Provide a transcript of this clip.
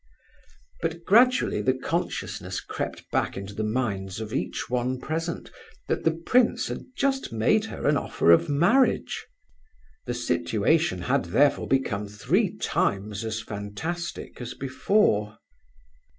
But gradually the consciousness crept back into the minds of each one present that the prince had just made her an offer of marriage. The situation had, therefore, become three times as fantastic as before.